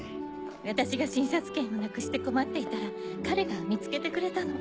私が診察券をなくして困っていたら彼が見つけてくれたの。